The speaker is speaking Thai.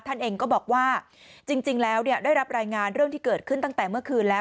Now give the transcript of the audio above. ท่านเองก็บอกว่าจริงแล้วเนี่ยได้รับรายงานเรื่องที่เกิดขึ้นตั้งแต่เมื่อคืนแล้ว